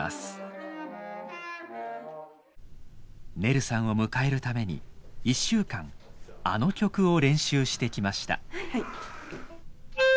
ねるさんを迎えるために１週間あの曲を練習してきました。